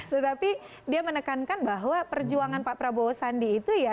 tetapi dia menekankan bahwa perjuangan pak prabowo sandi itu ya